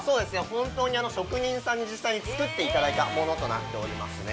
本当に職人さんに実際につくっていただいたものとなっておりますね。